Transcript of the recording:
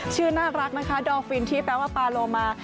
ชื่อน่ารักนะคะดอร์ฟินที่แปลว่าปาโลมา